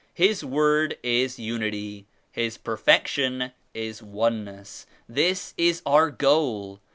His Word is Unity. His Perfection is Oneness. This is our goal.